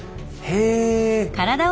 へえ！